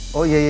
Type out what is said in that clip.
masih inget kan